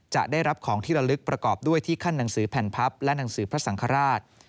จะได้รับของที่ละลึกประกอบด้วยที่ขั้นหนังสือแผ่นพับและหนังสือพระสังฆราช